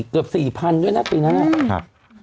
เกือบ๔๐๐๐ด้วยนะปีนั้น